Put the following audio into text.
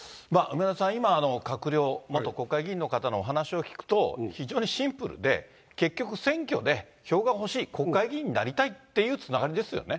梅沢さん、今、閣僚、元国会議員の方のお話を聞くと、非常にシンプルで、結局、選挙で票が欲しい、国会議員になりたいというつながりですよね。